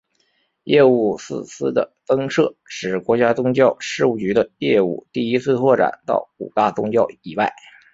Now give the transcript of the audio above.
业务四司的增设使国家宗教事务局的业务第一次拓展到五大宗教以外。